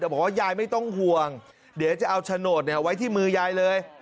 บอกว่ายายไม่ต้องห่วงเดี๋ยวจะเอาโฉนดไว้ที่มือยายเลย